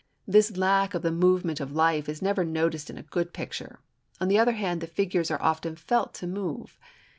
This lack of the movement of life is never noticed in a good picture, on the other hand the figures are often felt to move.